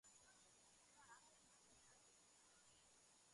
რატო იქნება აქ ასის ადგილი?